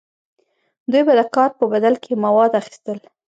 دوی به د کار په بدل کې مواد اخیستل.